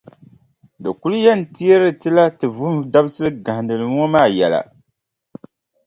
Di kuli yɛn teeri ti la ti vuhim dabisiʼ gahinda ŋɔ maa yɛla.